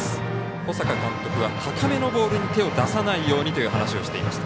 小坂監督は高めのボールに手を出さないようにという話をしていました。